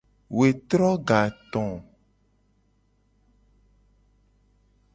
Wetro gato.